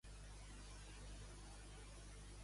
Descongeleu la independència ja